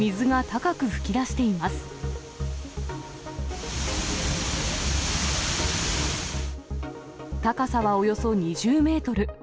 高さはおよそ２０メートル。